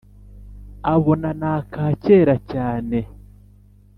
abona naka kera cyane